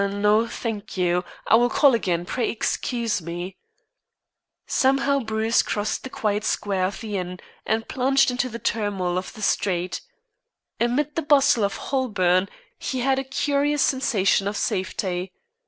"No, thank you. I will call again. Pray excuse me." Somehow Bruce crossed the quiet square of the Inn, and plunged into the turmoil of the street. Amid the bustle of Holborn he had a curious sensation of safety.